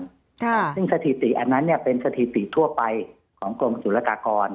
ซึ่งสถิติอันนั้นเนี่ยเป็นสถิติทั่วไปของกรมศุลกากร